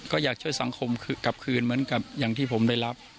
ก็อยากช่วยสังคมกลับคืนเหมือนกับอย่างที่ผมได้รับ